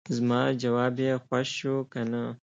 زما جواب یې خوښ شو کنه.